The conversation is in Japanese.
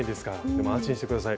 でも安心して下さい。